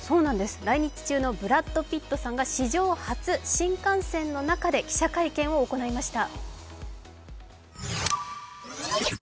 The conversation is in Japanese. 来日中のブラッド・ピットさんが史上初、新幹線の中で記者会見を行いました。